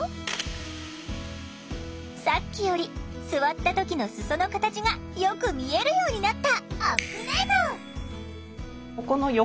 さっきより座った時の裾の形がよく見えるようになった！